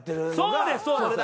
そうですそうです！